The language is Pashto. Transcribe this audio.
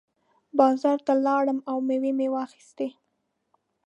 بازار ته لاړم او مېوې مې واخېستې.